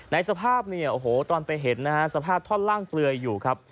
สภาพเนี่ยโอ้โหตอนไปเห็นนะฮะสภาพท่อนล่างเปลือยอยู่ครับ